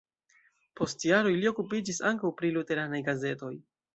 Post jaroj li okupiĝis ankaŭ pri luteranaj gazetoj.